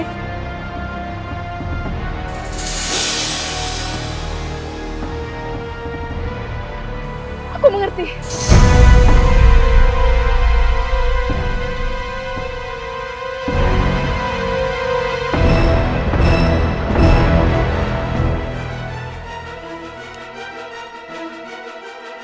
bahwa jasad yang aku bawa itu adalah jasad nawangsi